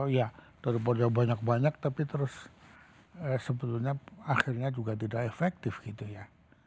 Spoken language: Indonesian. oh ya daripada banyak banyak tapi terus sebetulnya akhirnya juga tidak efektif gitu ya